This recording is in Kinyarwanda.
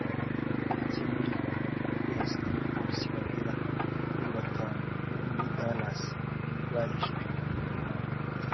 ndetse muri uku kwezi abapolisi bagera kuri batanu bo muri Dallas barishwe